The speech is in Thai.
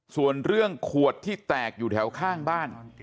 ส่วนเรื่องขวดที่แตกอยู่แถวข้างบ้าน